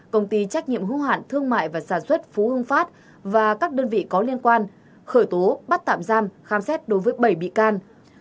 công ty trách nhiệm hữu hạn thương mại và sản xuất phú hưng phát và các đơn vị có liên quan khởi tố bắt tạm giam khám xét đối với bảy bị can